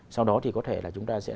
sau đó thì có thể là chúng ta sẽ